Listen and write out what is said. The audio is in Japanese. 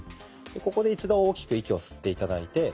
ここで一度大きく息を吸って頂いて。